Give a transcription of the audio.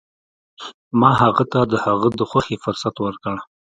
ما هغه ته د هغه د خوښې فرصت ورکړ.